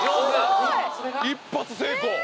一発成功！